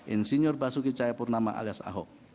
insinyur basuki cahayapurnama alias ahok